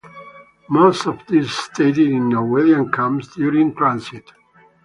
Most of these stayed in Norwegian camps during transit.